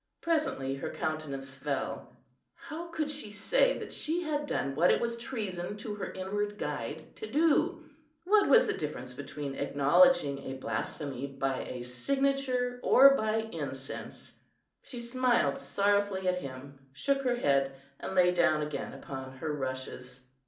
Presently her countenance fell; how could she say that she had done what it was treason to her inward Guide to do? What was the difference between acknowledging a blasphemy by a signature or by incense? She smiled sorrowfully at him, shook her head, and lay down again upon her rushes.